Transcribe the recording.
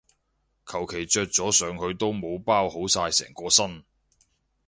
求其着咗上去都冇包好晒成個身